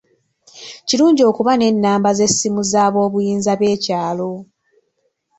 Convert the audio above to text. Kirungi okuba n'ennamba z'essimu z'aboobuyinza b'ekyalo.